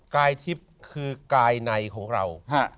กายทิพย์คือกายในของเรา